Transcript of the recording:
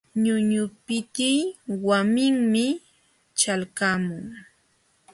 Ñuñupitiy wawinmi ćhalqamun.